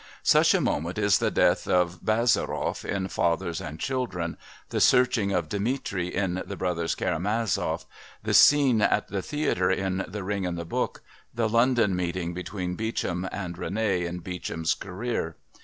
Such a moment is the death of Bazarov in Fathers and Children, the searching of Dmitri in The Brothers Karamazov, the scene at the theatre in The Ring and the Book, the London meeting between Beauchamp and René in Beauchamp's Career.